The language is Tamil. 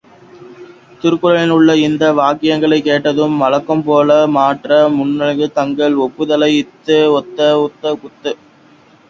திருக்குரானில் உள்ள இந்த வாக்கியங்களைக் கேட்டதும் வழக்கம்போல மற்ற முல்லாக்களும், தங்கள் ஒப்புதலை ஒத்த குரலிலே தெரிவித்தார்கள்.